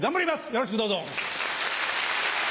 よろしくどうぞ。